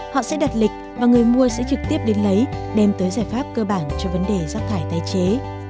họ sẽ đặt lịch và người mua sẽ trực tiếp đến lấy đem tới giải pháp cơ bản cho vấn đề rác thải tái chế